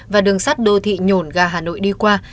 và đường sắt đô thị nhổn gà hà nội đi qua